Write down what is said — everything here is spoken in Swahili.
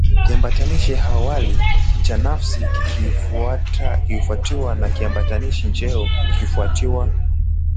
kiambishi awali cha nafsi kikifuatiwa na kiambishi njeo kikifuatiwa